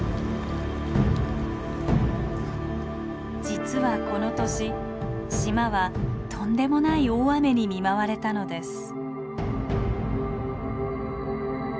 実はこの年島はとんでもない大雨に見舞われたのです。